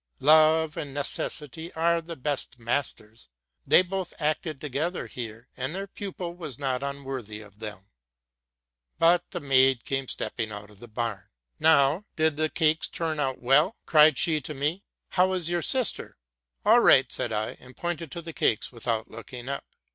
Love and necessity are the best masters: they both acted together here, and their pupil was not unwor thy of them. 'But the maid came stepping out of the barn. '* Now, did the cakes turn out well?'' cried she to me: '* how is your sister?''?' —'* All right,'' said I, and pointed to the cake without looking up.